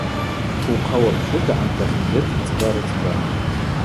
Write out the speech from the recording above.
Ухъа уапшыта антахьгьыт цӏба рыцӏба.